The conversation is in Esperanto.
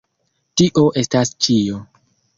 Tio estas ĉio.